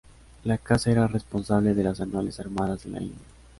La Casa era responsable de las anuales Armadas de la India.